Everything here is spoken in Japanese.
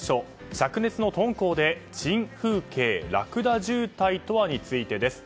灼熱の敦煌で珍風景ラクダ渋滞とは？についてです。